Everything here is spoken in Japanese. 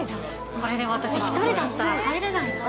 これでも私、１人だったら入れないわ。